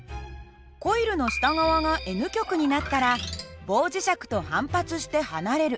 コイルの下側がＮ極になったら棒磁石と反発して離れる。